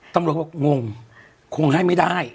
เขาบอกงงคงให้ไม่ได้